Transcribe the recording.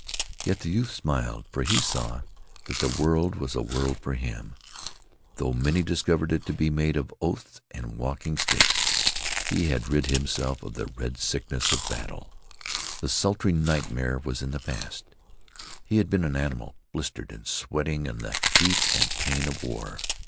Yet the youth smiled, for he saw that the world was a world for him, though many discovered it to be made of oaths and walking sticks. He had rid himself of the red sickness of battle. The sultry nightmare was in the past. He had been an animal blistered and sweating in the heat and pain of war.